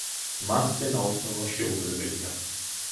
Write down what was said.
მასზე ნაოსნობა შეუძლებელია.